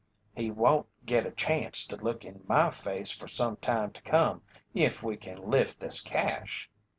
"He won't git a chanst to look in my face for some time to come if we kin lift this cache."